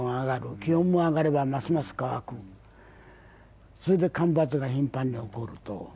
気温も上がればますます乾く、それで干ばつが頻繁に起こると。